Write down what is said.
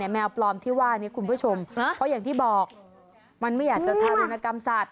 แมวปลอมที่ว่านี้คุณผู้ชมเพราะอย่างที่บอกมันไม่อยากจะทารุณกรรมสัตว